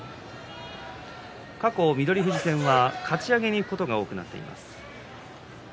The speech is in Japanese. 過去、翠富士戦はかち上げにいくことが多くなっています。